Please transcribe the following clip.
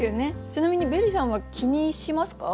ちなみにベリさんは気にしますか？